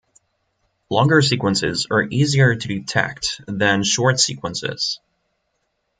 Longer sequences are easier to detect than short sequences.